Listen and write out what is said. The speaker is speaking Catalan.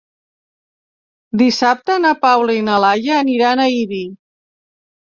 Dissabte na Paula i na Laia aniran a Ibi.